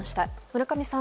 村上さん